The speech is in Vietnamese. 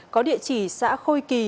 có địa chỉ xã khôi kỳ